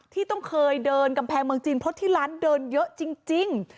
ที่ต้องเคยเดินกำแพงเมืองจีนเพราะที่ร้านเดินเยอะจริง